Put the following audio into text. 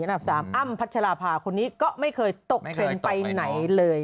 อันดับ๓อ้ำพัชราภาคนนี้ก็ไม่เคยตกเทรนด์ไปไหนเลย